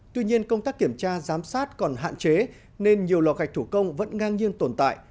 tuy nhiên công tác kiểm tra giám sát còn hạn chế nên nhiều lò gạch thủ công vẫn ngang nhiên tồn tại